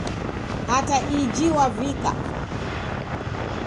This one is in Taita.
Hata iji Wavika